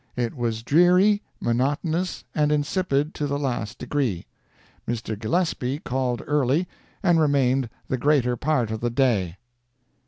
It was dreary, monotonous and insipid to the last degree. Mr. Gillespie called early, and remained the greater part of the day!"